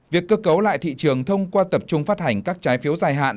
việc cơ cấu lại thị trường thông qua tập trung phát hành các trái phiếu dài hạn